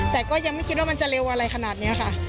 แต่ก็ยังไม่คิดว่ามันจะเร็วอะไรขนาดนี้ค่ะ